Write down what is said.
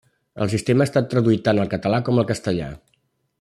El sistema ha estat traduït tant al català com al castellà.